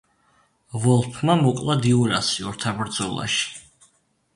ვოლფმა მოკლა დიურასი ორთაბრძოლაში.